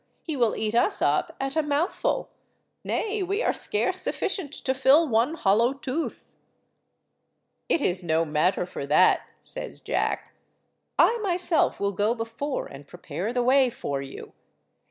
He will eat us up at a mouthful—nay, we are scarce sufficient to fill one hollow tooth." "It is no matter for that," says Jack. "I myself will go before and prepare the way for you.